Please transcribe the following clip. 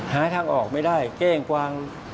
หาทางออกไม่ได้แกล้งกวาง